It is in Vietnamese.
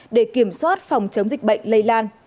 để kiểm soát phòng chống dịch bệnh lây lan